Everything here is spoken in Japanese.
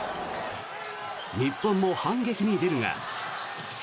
日本も反撃に出るが。